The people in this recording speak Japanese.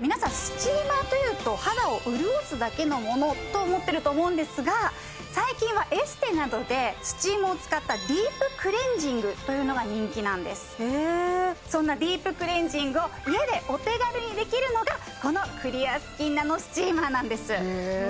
皆さんスチーマーというと肌を潤すだけのものと思ってると思うんですが最近はエステなどでスチームを使ったディープクレンジングというのが人気なんですそんなディープクレンジングを家でお手軽にできるのがこのクリアスキンナノスチーマーなんですへえ